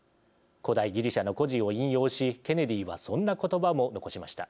古代ギリシャの故事を引用しケネディはそんな言葉も残しました。